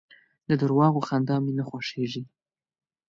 د درواغو خندا مي نه خوښېږي .